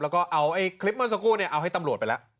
แล้วก็เอาคลิปเมื่อสักครู่เนี่ยเอาให้ตำรวจไปแล้ว